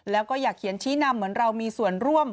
แล้วก็อยากเขียนชี้นำเหมือนเรามีส่วนร่วม